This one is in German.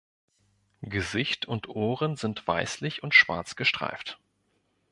Gesicht und Ohren sind weißlich und schwarz gestreift.